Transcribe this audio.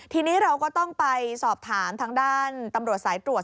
ทีนี้เราก็ต้องไปสอบถามทางด้านตำรวจสายตรวจ